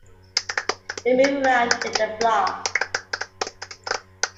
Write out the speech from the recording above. They move around with the flock.